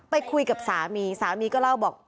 ไปคุยกับสามีสามีก็เล่าบอก